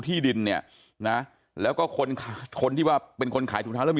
ที่ดินเนี่ยนะแล้วก็คนคนที่ว่าเป็นคนขายถุงเท้าแล้วมี